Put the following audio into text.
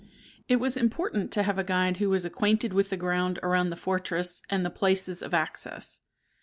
It was important to have a guide who was acquainted with the ground around the fortress and the places of access.